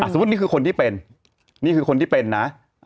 นี่คือคนที่เป็นนี่คือคนที่เป็นนะ